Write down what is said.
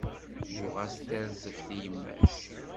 Yuɣ-as-d tarzeft i yemma-s